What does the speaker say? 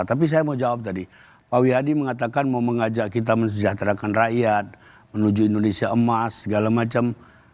tapi saya mau jawab tadi pak wihadi mengatakan mau mengajak kita mensejahterakan rakyat menuju indonesia emas segala macam